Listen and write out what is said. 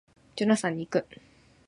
ジョナサンに行く